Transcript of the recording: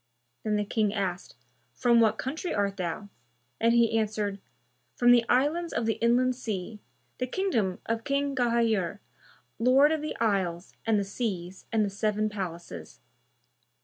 Then the King asked, "From what country art thou?"; and he answered, "From the Islands of the Inland Sea, the kingdom of King Ghayur, Lord of the Isles and the Seas and the Seven Palaces."